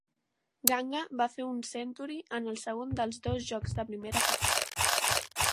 Ganga va fer un "century" en el segon dels dos jocs de primera classe.